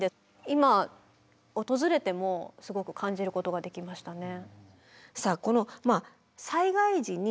今訪れてもすごく感じることができましたね。